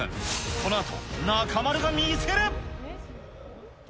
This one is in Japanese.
このあと、中丸が見せる。